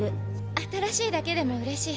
新しいだけでもうれしい。